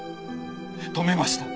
止めました。